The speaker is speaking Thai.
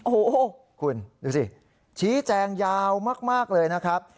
โอ้โหคุณดูสิชี้แจงยาวมากเลยนะครับ